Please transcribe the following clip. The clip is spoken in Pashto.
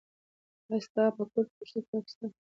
آیا ستا په کور کې پښتو کتابونه سته؟